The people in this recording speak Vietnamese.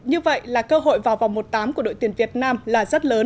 như vậy là cơ hội vào vòng một tám của đội tuyển việt nam là rất lớn